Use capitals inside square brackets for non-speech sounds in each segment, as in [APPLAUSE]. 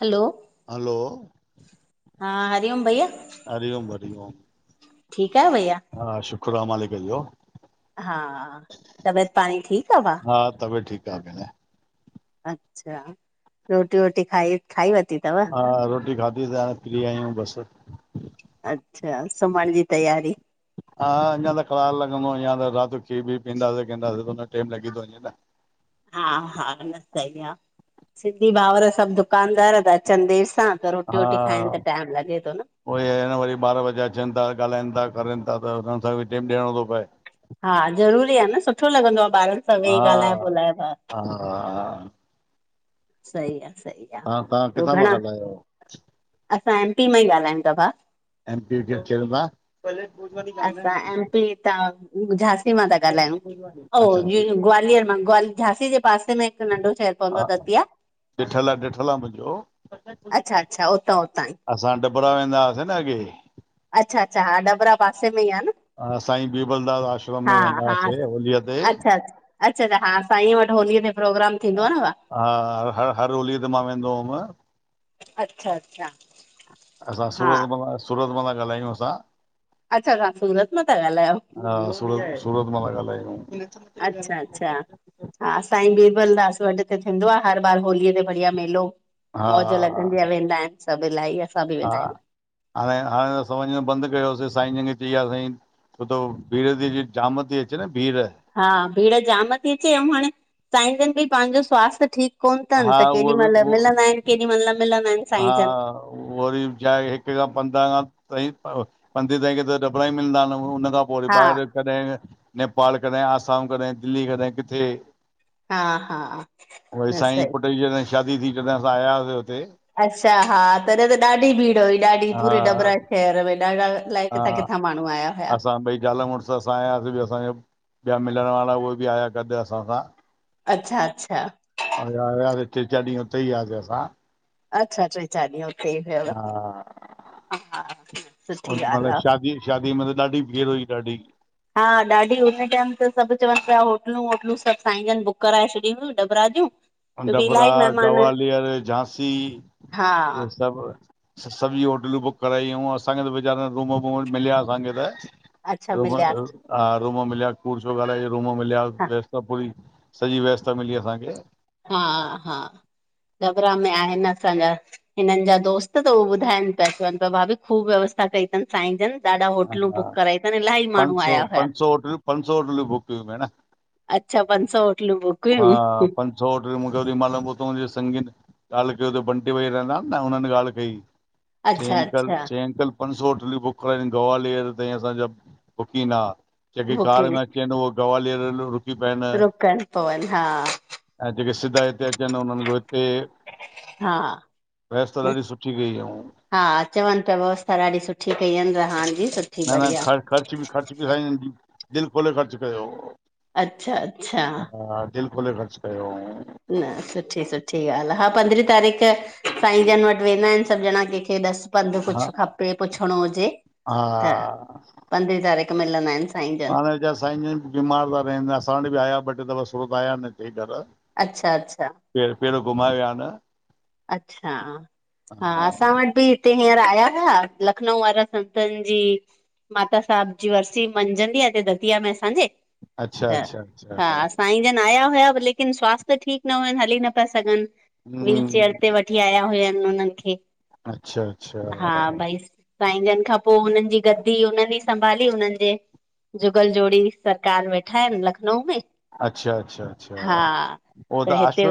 हलो hello हा हरिओम भईया। हरिओम हरि ओम। ठीकु आहियो भईया? हा शुकुरु आ मालिक जो। हा तबियत पाणी ठीकु आहे भाउ? हा तबियत ठीकु आहे भेणु। अच्छा, रोटी वोटी खाई खाई वर्ती? हा रोटी खाधी से, हाणे फ्री आईयूं बस। अच्छा सुम्हण जी तयारी? हा अञा त कलाक लॻंदो। अञा त राति जो खीर बीर पीअंदासीं कंदासी त हुन में टाइम लॻी थो वञे न। हा हा न सही आहे। सिंधी भाउर सभु दुकानदार था अचनि देरि सां त रोटी हा वोटी खाइनि त टाइम लॻे थो न। उहो ई आहे न वरी ॿार बच्चा अचनि था ॻाल्हाइनि था करनि था त हुननि सां टाइम ॾियणो थो पए। हा ज़रूरी आहे न सुठो लॻंदो आहे ॿारनि सां हा वेही ॻाल्हाए हा ॿोलाए। हा हा। सई आ, सई आ। तव्हां तव्हां ॿियो किथां था घणा ॻाल्हायो? असां एम पी मां ई ॻाल्हायूं था भाउ। M P wicket चिढ़दा। [UNINTELLIGIBLE] असां एम पी हितां झांसी मां ता ॻाल्हायूं। ओ अच्छा जी ग्वालियर मां, ग्वा झांसी जे पासे में हिक नंढो शहर हा पवंदो आ दतिया। ॾिठल आ, ॾिठल आ, मुंजो। अच्छा अच्छा उतां उतां ई असां डबरा वेंदा हुआसीं न अॻे। अच्छा, अच्छा, हा डबरा पासे में ई आ न। साईं बीरबलदास आश्रम में हा वेंदा हा हुआसीं होलीअ ते। अच्छा अच्छा अच्छा अछ हा साईंअ वट होलीअ में प्रोग्राम थींदो आ न उहा हा, हर हर होलीअ ते मां वेंदो हुम। अच्छा अच्छा, असां हा सूरत मां सूरत मां ता ॻाल्हायूं असां। अच्छा, तव्हां सूरत मां ता ॻाल्हायो। हा, सूरत सूरत मां ता ॻाल्हायूं। अच्छा अच्छा हा, सांईं बीरबलदास वट हिते थींदो आ, हर बार होलीअ ते बढ़िया मेलो। हा मौज लॻंदी आ, वेंदा आहिन सभ इलाही। असां बि हा, वेंदा आहियूं। हाणे हाणे असां वञण बंद कयोसीं साईं जेंखे चई विया साईं- छो त भीड़ ती अचे न, जाम ती अचे न भीड़। हा, भीड़ जाम ती अचे अऊं हाणे साईंजन बि पांजो स्वास्थ्य ठीक कोन तन हा त केॾी उहो बि मेहल उहो मिलंदा आहिन केॾी मल न मिलंदा आहिन। हा वरी छाहे हिक खां पंद्रहं खां तईं पंद्री तारीख ते त डबरा ई मिलंदा आहिन हुन खां पो पो वरी हा ॿाहिर कॾहिं नेपाल कॾहिं आसाम कॾहिं दिल्ली कॾहिं किथे। हा हा वरी न साईंअ सही पुट जी जॾहिं शादी थी जॾहिं असां आयासीं हुते। अच्छा हा, तॾहिं त ॾाढी भीड़ हुई ॾाढी पूरे हा डबरा शहर में ॾाढा अलाए हा, किथां किथां माण्हू आया हुया। असां ॿई ज़ाल मुड़ त असां आयासीं बि असांजा ॿिया मिलण वारा उहे बि आया ॻॾ असां सां। अच्छा, अच्छा वरी आयासीं ट्रे चार ॾींहं हुते ई हुयासीं असां। अच्छा, ट्रे चार ॾींहं उते ई हुयव, हा हा, हा, हा, सुठी ओॾी ॻाल महिल आ। शादी शादी में त ॾाढी भीड़ हुई ॾाढी। हा ॾाढी हुन टाइम त सभ चवन पिया, होटलूं वोटलूं सभ साईं जन बुक कराए छॾी हुयूं डबरा जूं। छोकी डबरा इलाही महिमान ग्वालियर झांसी हा इहे सभ सभी होटलूं बुक करायूं हुयूं असांखे त वेचारा रूम वूम मिलया असांखे त। अच्छा रूम मिलिया हा रूम मिलया कूड़ शो ॻाल्हायूं रूम मिलया वेस त पूरी सॼी व्यवस्था मिली असांखे। हा, हा डबरा में आहिन असांजा हिनन जा दोस्त त उह ॿुधाइन पिया चवन पिया भाभी ख़ूब व्यवस्था कई साईंजन ॾाढा होटलूं हा बुक कराई तन इलाही पंज माण्हू सौ आया हुया। पंज सौ होटलूं पंज सौ होटलूं बुक कयूं भेण अच्छा, पंज सौ होटलू बुक हुयूं हा, पंज सौ होटलूं मूंखे ओॾी मल हुतों जे संगीन ॻाल कयो, त बंटी वेही रहंदा न हुनन ॻाल कई चई अच्छा अंकल अच्छा चई अंकल पंज सौ होटलियूं बुक कराई तन, ग्वालियर ताईं असांजा बुकिंग आ जेकी कार बुकिंग में चेन हो गवालर रोकण पवन हा। ऐं जेके सिधा हिते अचनि उन्हनि खे हिते हा व्यवस्था ॾाढी सुठी कई हुयव हा अचवनि पिया व्यवस्था ॾाढी सुठी कई आहिन रहण जी सुठी न न बढ़िया ख़र्च बि ख़र्च बि साईं जन जी दिलि खोले ख़र्च कयो अच्छा अच्छा हा दिल खोले ख़र्च कयो न सुठी सुठी ॻाल्हि आहे हा पंद्रहीं तारीख़ साईं जन वटि वेंदा आहिन सभु ञणा कंहिंखे ॾसु पंधु हा कुझु खपे पुछणो हुजे त हा पंद्रहीं तारीख़ मिलंदा आहिन पाणे विचारा साईं जन बि बीमार था रहनि असां वटि बि आया ॿ टे दफ़ा सूरत आया न हिते घर अच्छा अच्छा पेर पेर घुमाए विया न अच्छा हा असां वटि बि हिते हींअर आया हुआ लखनऊ वारा संतनि जी माता साहिब जी वरसी पंजन ॾिहनि जी आहे हिते दतिया में असांजे अच्छा त अच्छा हा अच्छा अ साई जन आया हुया लेकिन स्वास्थ्य ठीकु न हुयुनि हली न पिया सघनि हा चेअर ते वठी आया हुयनि उननि खे अच्छा अच्छा हा भई साईं जनि खां पोइ हुननि जी गद्दी हुननि ई संभाली हुननि जे जुगल जोड़ी सरकार वेठा आहिन लखनऊ में अच्छा अच्छा अच्छा हा उहो त अश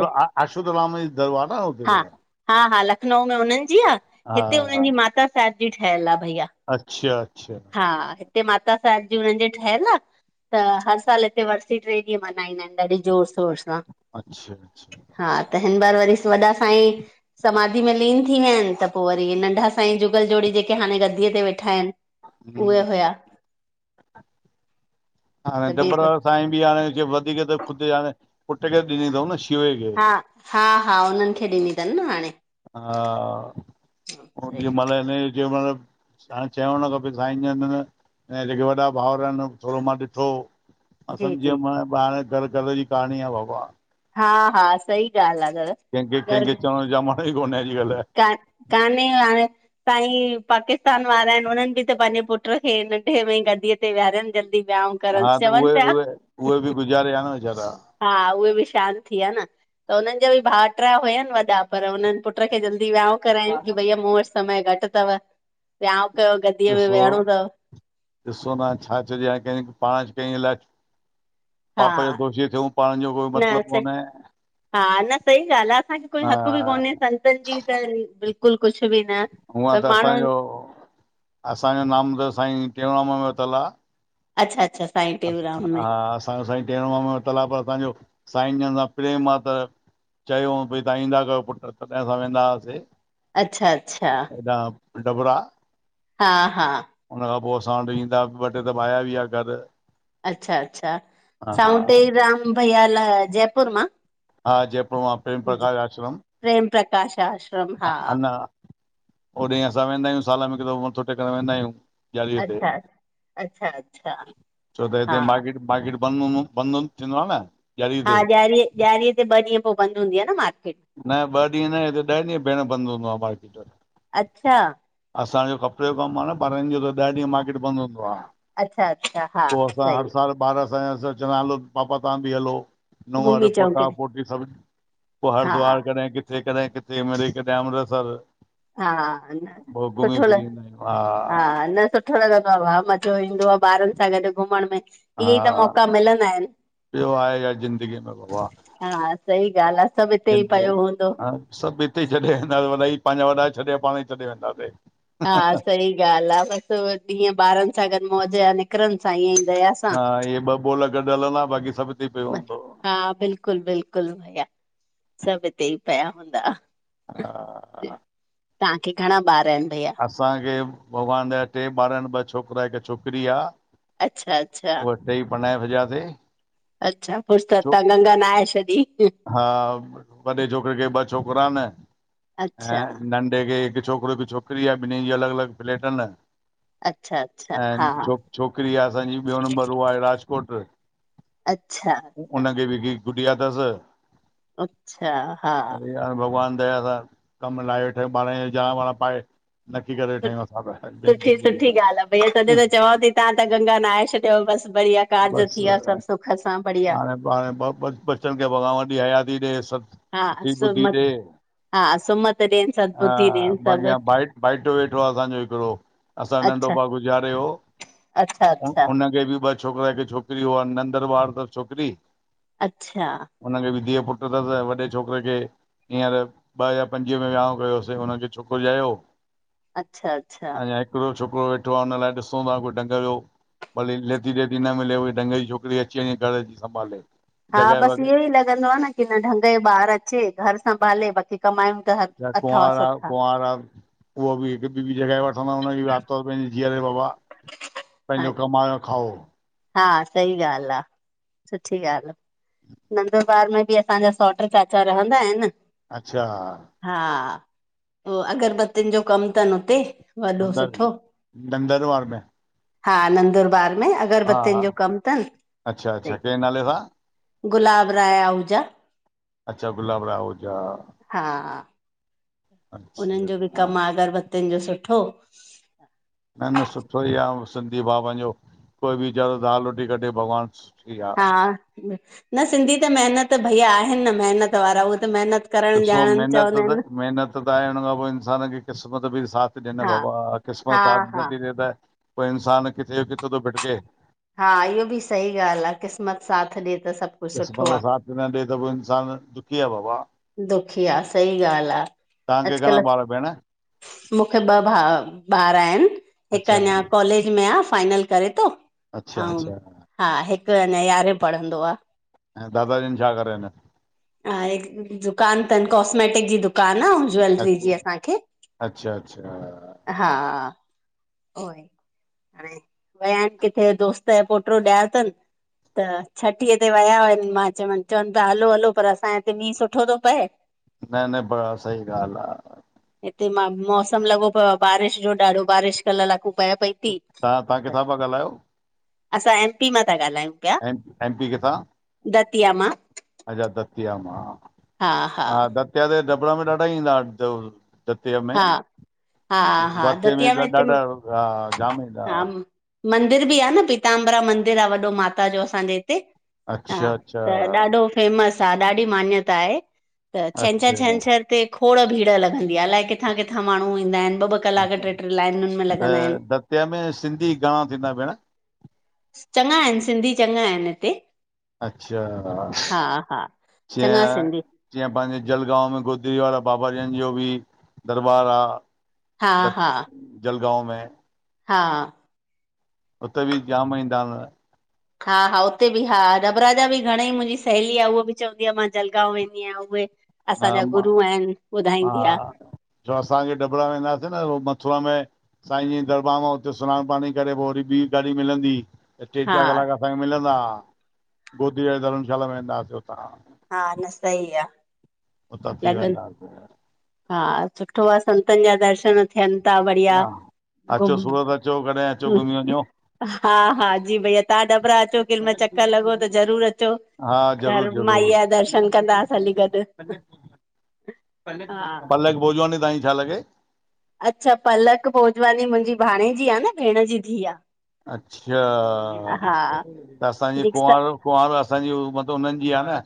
आसूदा राम जी दरवार आं न हुते हा त हा हा लखनऊ में हुननि जी आहे हा हिते हुननि जी माता साहिब जी ठहियलु आहे भईया अच्छा अच्छा हा हिते माता साहिब जी हुननि जी ठहियलु आहे त हर सालु हिते वरसी टे ॾींहं मल्हाईंदा आहिन ॾाढे जोर शोर सां अच्छा अच्छा हा त हिन बार वरी वॾा साईं समाधि में लीन थी विया आहिन त पोइ वरी नंढा साईं जुगल जोड़ी जेके हाणे गद्दीअ ते वेठा आहिन उहे हम्म, हुया हाणे त डबरा ॿिए साईं बि हाणे वधीक त ख़ुदि पुट खे ॾिनी अथऊ न शिवे खे हा हा हा हुनननि खे ॾिनी अथनि न हाणे हा सुनि जे मल इनही जो जेमल हाणे चवुणो न खपे साईं ज ऐं जेके वॾा भाउर आहिन थोरो मां ॾिठो मां जी सम्झी जी वयुम माना ॿाहिर घरु घर जी कहाणी आहे बाबा हा हा सही ॻाल्हि आहे दादा केंहिंखे केंहिंखे चवण जो जमानो ई कोन्हे अॼुकल क काने [UNINTELLIGIBLE] हाण साईं पाकिस्तान वारा आहिन उननि बि त पंहिंजे पुट खे नंढे में ही गद्दीअ ते विहारनि जल्दी विहाउं हा त उहे उहे उहे बि गुज़ारे वया न वेचारा हा उहे बि शांत थी वया न त हुननि जा बि भाट्रा हुयनि वॾा पर हुननि पुट खे जल्दी विहाउं कयनि कि भईया मूं वटि समय घटि अथव विहाउं कयो गद्दीअ में ॾिसो वेहणो अथव ॾिसो न छा चैंजे हाणे पाण कैंजे लाइ हा पाप जो दोशीअ थियूं पाण जो कोई न मतिलबु सही कोन्हे हा न सही ॻाल्हि आ, असांखे कोई हा हक़ बि कोन्हे संतनि जी त, बिल्कुलु बिल्कुल कुछु बि न, हूअं पर त माण्हुनि असांजो असांजो नाम त साईं, टेऊंराम यो वरितलु आ। अच्छा अच्छा, साईं टेऊंराम में। असांजो साईं टेऊंराम जो वरितल आ, पर असांजो साईं जनि सां प्रेम आ त चयो हूअऊं भई तां ईंदा कयो पुटु, तॾहिं असां वेंदा हासे। अच्छा अच्छा। हेॾा डबरा हा हा। हुनन खां पोइ असां वटि ईंदा हा, ॿ टे दफ़ा आया बि आ घर। अच्छा अच्छा, सावते राम भैया लाइ जयपुर मां। हा, जयपुर मां प्रेम प्रकाश आश्रम। पेम प्रकाश आश आ अञां होॾईं असां वेंदा आहियूं साल में हिकु दफ़ो मथो टेकण वेंदा आहियूं। चालीहें ते, अच्छा अच्छा अच्छा छो त हा हिते मार्केट, मार्केट [UNINTELLIGIBLE] बंधन थींदो आ न? ॾियारी हा, ते ॾियारीअ, ॾियारीअ ते ॿ ॾींहं पोइ बंदि हूंदी आ न मार्केट। न ॿ ॾींहं न, हित ॾह ॾींहं भेण बंद हूंदो आ मार्केट। अच्छा। असांजो कपिड़े जो कमु आ न ॿारनि जो त ॾह ॾींहं मार्केट बंद हूंदो आ। अच्छा अच्छा हा पोइ असां सही हर साल ॿार असांजा चंदा हलो पापा तां बि हलो। घुमी नूंहरु अचऊं किॾे पोटा पोटीयूं सभु पोइ हा हरिद्वार कॾहिं किथे कॾहिं किथे मिड़ई कॾहिं अमृतसर हा हा, पोइ घुमी सुठो ल फिरी ईंदा आहियूं हा न सुठ [UNINTELLIGIBLE] मज़ो ईंदो आहे ॿारनि सां गॾु घुमण में ईअ ई त मौका मिलंदा इनि। ॿियो आहे छा ज़िंदगीअ में बाबा। हा सही ॻाल्हि आ, सभु हिते ई ज़िंदगी पियो हूंदो। हा सभु हिते छॾे वेंदासीं वॾा ई पंहिंजा वॾा छॾे पाण ई छॾे वेंदासे। हा, सही ॻाल्हि आ, बसि ॾींहं ॿारनि सां गॾु मौज या निकिरनि सांईअ जी दया। सां हा, इहे ॿ बोल गॾु हलंदा बाक़ी सभु हिते पियो बसि। हूंदो। हा बिल्कुलु बिल्कुलु, भैया, सभु हिते ई पया हूंदा। हा तांखे घणा ॿार इनि भैया? असांखे भॻवान जा टे ॿार इनि ॿ छोकिरा हिक छोकिरी आ। अच्छा अच्छा। टई परिनाए छॾियासे। अच्छा, फिर त तां गंगा नहाए छॾी। हा वॾे छोकिरे खे ॿ छोकिरा इन ऐं अच्छा नंढ नंढे खे हिकु छोकिरो हिक छोकिरी आ ॿिनहिनि जी अलॻि अलॻि फ्लेट इन। अच्छा अच्छा। ऐं हा छोक छोकिरी आ असांजी ॿियों नंबर उहा आहे राजकोट। अच्छा। अच्छा उनखे बि हिकिड़ी गुॾिया तसि। अच्छा, हा। भॻवान दया सां कमु लाहे वेठा आयूं ॿार जो जाणा ॿणां पाए। नकी करे सु, वेठा आहियूं असां पंहिंजी सुठी ज़िंदगीअ सुठी ॻाल्हि आ, भईया तॾी त में चवांव ती तहां त गंगा नहाए छॾियव बसि बढ़िया। कारज थी बसि विया सभ सुख सां बढ़िया। हाणे ॿ बचन खे भॻवान वॾी हयाती ॾे सब हा सुठी ॿुधी सुमत ॾे। हा सुमत ॾियनि सदबुद्धि हा, ॾियनि बाक़ी सभु हाण भट भाइटो वेठो आ असांजो हिकड़ो। असांजो नंढो अच्छा, भाउ गुज़ारे वियो, अच्छा, अच्छा, हुनखे बि बच छोकरा के छोकरी हुन नंदर ॿार तस छोकरी। अच्छा उनखे बि धीअ पुट तस, ऐं वॾे छोकरे खे हींअर ॿ हज़ार पंजवीह में विहाउं कयोसीं हुनन खे छोकरो ॼायो। अच्छा, अच्छा हिकड़ो छोकरो वेठो आ हुन लाइ ॾिसूंता कोई ढंग जो भली ॾेती लेती न मिले उअई ढंग जी छोकरी अची वञे घर अची संभाले। हा, जॻहि बस वॻहि इयो ई लॻंदो आ न की न ढंग जो ॿार अचे घर संभाले बाक़ी कमायूं त हर चाहे अथव कुंवारा सुठा कुंवारा उहा बि हिक ॿी बि जॻह वठंदा आऊं हुन जी बी आरितवर पैंजी जीअरे बाबा। हा पैंजो कमायो खाओ। हा सही ॻाल आ, सुठी ॻाल आ। नंदबार में बि असांजा सौट्र चाचा रहंदा आहिन। अच्छा हा, पो अगरबत्तीन जो कम तन हुते। वॾो नंदर सुठो नंदर वार में? हा, नंदुरबार में हा अगरबत्तिन हा जो कम तन। अच्छा अच्छा कंहिं नाले सां गुलाब राय आहूजा। अच्छा, गुलाब राहुजा। हा, अच्छा उनन जो बि हा कम आ, अगरबत्तियुन जो सुठो। न, न सुठो ई आ सिंधी भाउ पैंजो कोई बी विचारो दाल रोटी कढे भॻवान हा, न सिंधी त मेहनत भईया आहिन न मेहनत वारा उह त मेहनत ॾिसो, मेहनत त मेहनत त आए उन खां पो इंसान खे क़िस्मत बि साथ ॾे न हा बाबा। हा क़िस्मत साथ हा नथी ॾे त पो इंसान किथे जो किथे तो भिटके। हा इहो बि सही ॻाल आ क़िस्मत साथ ॾे त सभ क़िस्मत साथ न ॾे त पो इंसान दुखी आ बाबा। दुखी आ, सही ॻाल आ तव्हांखे घणा अॼकल ॿार भेण मुखे ॿ भा ॿार आहिन हिक अच्छा अञा कॉलेज में आ फाइनल करे तो, अच्छा अऊं अच्छा हा हिक अञा यारहें पढ़ंदो आ। ऐं दादाजन छा करन? हिक दुकान तन, कॉस्मेटिक जी दुकान आ। अच्छा, अच्छा, अच्छा हा उओ ई हाणे विया आहिन किथे दोस्त जो पोट्रो ॼायो तन। त छठी ते विया हुन मां चवन चवन ता हलो हलो पर असांजे हिते मींहुं सुठो तो पए। न न बड़ा सही ॻाल आ। हिते मां मौसम लॻो पियो आ बारिश जो, ॾाढो बारिश कल लाकूं पए पई। थी तव्हां तव्हां त किथां पिया ॻाल्हायो? असां एम पी मां ता ॻालायूं पिया। एम एम पी किथां? दतिीअ मां अच्छा दतिया मां हा दतिया ते दबणा में ॾाढा ईंदा आहिन दबणू सतीअ में हा हा हा वरसी में दतिया त हिते ॾाढा हा जाम ईंदा हा मंदिर बि आह न पीताम्बरा मंदिर आ वॾो माता जो असांजे हिते हा अच्छा अच्छा त ॾाढो फेमस आहे ॾाढी मान्यता आहे त छंछरु अच्छा छंछरु ते खोड़ भीड़ लॻंदी आहे अलाए किथां किथां माण्हू ईंदा आहिनि ॿ ॿ कलाक ट्रे ट्रे लाइनुनि में लॻंदा आहिनि तंहिंमें सिंधी घणा थींदा भेण? चङा आहिनि सिंधी चङा आहिनि हिते अच्छा हा हा च चङा सिंधी जीअं पंहिंजे जलगांव में गोदरी वारा बाबा जन जो बि दरबार आह। हा द्त हा जलगांव में हा उते बि जाम ईंदा आहिनि हा हा उते बि हा नबराजा बि घणेई मुंहिंजी सहेली आह उहा बि चवंदी आहे मां जलगांव वेंदी आहियां उहे हा असांजा गुररु आहिनि ॿुधाईंदी आह चो असांखे दॿणा वेंदासीं न मथुरा में साईं जी दरबार मां उते सनानु पाणी करे पोइ वरी ॿी गाॾी मिलंदी ई टे हा चारि कलाक असांखे मिलंदा आ गोदीअ धर्मशाला में वेंदासीं हुतां हा न सईी आहे उतां थी लॻनि वेंदासि हा सुठो आहे संतनि जा दर्शन थियनि ता बढ़िया हा अचो घुम सूरत अचो कॾहिं अचो घुमी वञो हा हा जी भईया तव्हां डबरा अचो कॾहिमाल चकर लॻो त ज़रूरु अचो हा ज़रूरु घर माईअ जा दर्शन कंदासीं हली ज़रूरु गॾु पलक, हा पलक भोजवानी ताईं छा लॻे? अच्छा पलक भोजवानी मुंहिंजी भाणे जी आहे न भेण जी धीउ आहे अच्छा हा त असांजी दीक्षा कुंवारो कुआर असाजी मतिलब उन्हन जी आ न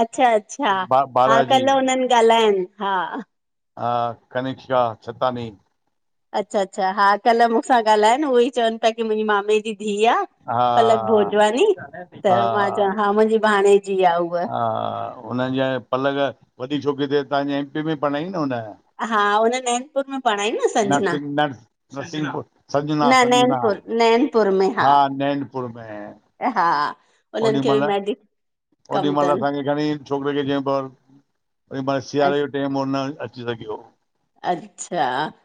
अच्छा अच्छा बा हा बाराजी कल्ह हुनन ॻाल्हाइन हा हा कनिक्शा छततानी। अच्छा अच्छा हा कल्ह मूसां ॻाल्हाइन उहो ई चवन पया की मुहिजें मामे जी धीउ आ हा पलक भोजवानी त मां चवां हा मुहिंजी भाणेजी आ उव हा हुनन जाए पलक वॾी छोकरी त तव्हांजे एमपी मे पढ़ई न हुन? हा हुन नैनपुर मे पंढ़ाईं न संजना नर्सिंग नर्स नरसिंहपुर संजना न संजना नैनपुर नैनपुर मे हा नैनपुर में हा हुन्हन ओॾी खे बि महिल मैडी ओॾी महल असांखे घणईं छोकरे खे चयई पढ ओ महल अ- सियारे जो टेम हो न अची सघियो अच्छा